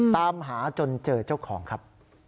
ตามหาจนเจอเจ้าของครับ